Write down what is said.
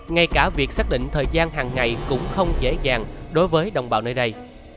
ngay cả việc xác định thời gian hàng ngày cũng không dễ dàng đối với đồng bào nơi đây